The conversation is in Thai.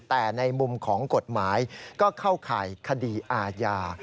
แต่ในมุมของกฎหมายก็เข้าข่ายคดีอาญา